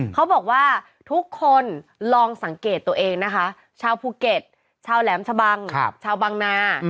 เขาบอกว่าทุกคนลองสังเกตตัวเองนะคะชาวภูเก็ตชาวแหลมชะบังชาวบังนา